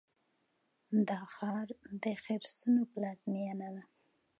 دا ښار د خرسونو پلازمینه ده.